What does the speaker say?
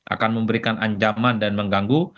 akan memberikan ancaman dan mengganggu